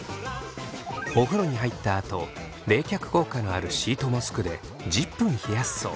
お風呂に入ったあと冷却効果のあるシートマスクで１０分冷やすそう。